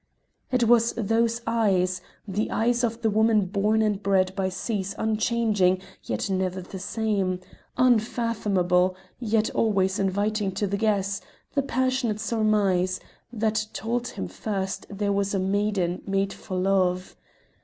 It was those eyes the eyes of the woman born and bred by seas unchanging yet never the same; unfathomable, yet always inviting to the guess, the passionate surmise that told him first here was a maiden made for love.